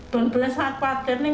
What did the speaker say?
dan benar benar sangat khawatir